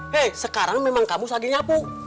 hei sekarang memang kamu sadi nyapu